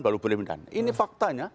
baru boleh meninggalkan ini faktanya